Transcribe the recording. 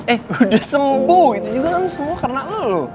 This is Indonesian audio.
eh udah sembuh itu juga semua karena lo